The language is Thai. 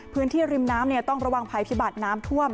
ริมน้ำต้องระวังภัยพิบัติน้ำท่วม